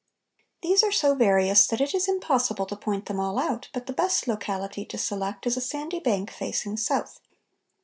These are so various that it is impossible to point them all out, but the best locality to select is a sandy bank facing south.